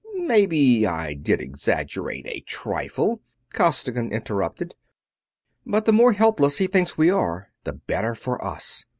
"Maybe I did exaggerate a trifle," Costigan interrupted, "but the more helpless he thinks we are the better for us.